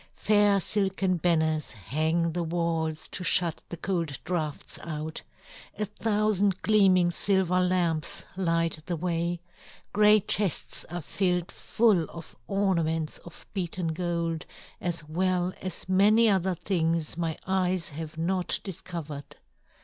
Fair silken banners hang the walls to shut the cold drafts out; a thousand gleaming silver lamps light the way; great chests are filled full of ornaments of beaten gold, as well as many other things my eyes have not discovered.